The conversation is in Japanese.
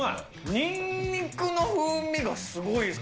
ニンニクの風味がすごいです。